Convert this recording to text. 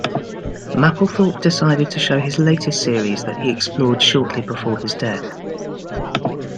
Mapplethorpe decided to show his latest series that he explored shortly before his death.